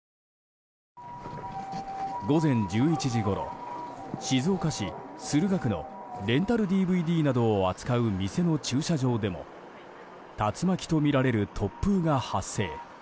午前１１時ごろ、静岡市駿河区のレンタルＤＶＤなどを扱う店の駐車場でも竜巻とみられる突風が発生。